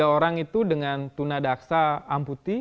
tiga orang itu dengan tunadaksa amputi